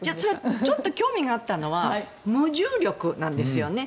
ちょっと興味があったのは無重力なんですよね。